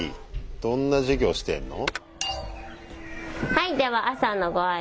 どんな授業してんの？